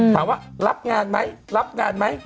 ถามว่ารับงานไหมรับงานไหม